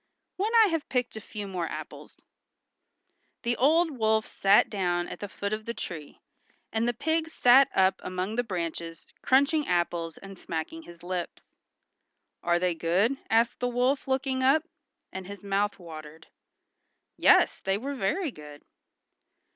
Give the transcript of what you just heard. "When I have picked a few more apples." The old wolf sat down at the foot of the tree, and the pig sat up among the branches crunching apples and smacking his lips. "Are they good?" asked the wolf looking up; and his mouth watered. Yes, they were very good.